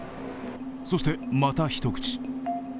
そしてまた一口。